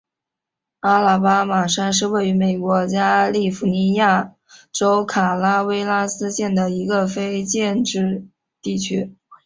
阿拉巴马山是位于美国加利福尼亚州卡拉韦拉斯县的一个非建制地区。